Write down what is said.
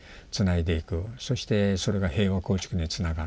そしてそれが平和構築につながると。